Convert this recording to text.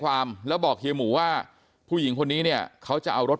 ความแล้วบอกเฮียหมูว่าผู้หญิงคนนี้เนี่ยเขาจะเอารถ